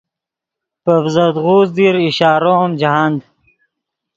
پے ڤزدغوز دیر اشارو ام جاہند